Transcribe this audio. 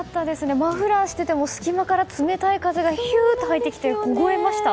マフラーしてても隙間から冷たい風が入ってきて凍えました。